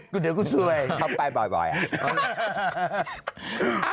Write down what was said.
คือเดี๋ยวกูซ่วยเข้าไปบ่อยอ่ะ